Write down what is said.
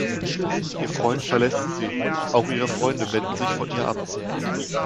Ihr Freund verlässt sie, auch ihre Freunde wenden sich von ihr ab.